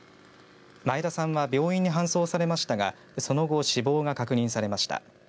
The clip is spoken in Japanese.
前田さんは病院に搬送されましたがその後、死亡が確認されました。